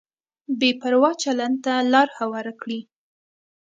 بې پروا چلند ته لار هواره کړي.